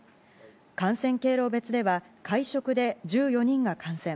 感染経路別では会食で１４人が感染。